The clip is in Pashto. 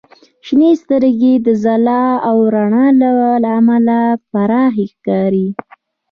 • شنې سترګې د ځلا او رڼا له امله پراخې ښکاري.